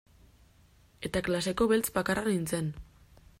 Eta klaseko beltz bakarra nintzen.